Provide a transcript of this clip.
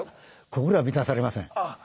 心は満たされません。